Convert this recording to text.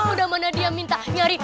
udah mana dia minta nyari